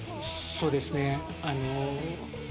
そうですね。